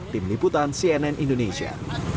tim liputan cnn indonesia